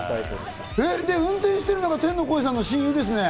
で、運転してるのが天の声さんの親友ですね。